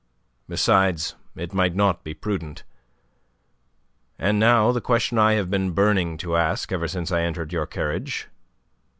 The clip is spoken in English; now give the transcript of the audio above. Besides, it might not be prudent. And now the question I have been burning to ask ever since I entered your carriage.